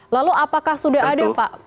lalu apakah sudah ada pak